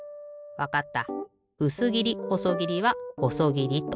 わかった。